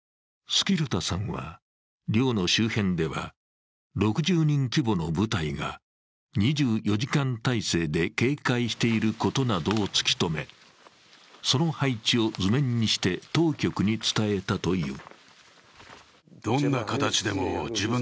スキルタさんは、寮の周辺では６０人規模の部隊が２４時間体制で警戒していることなどを突き止め、その配置を図面にして当局に伝えたという。